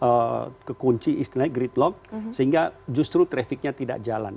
kemudian ke kunci istilahnya gridlock sehingga justru trafiknya tidak jalan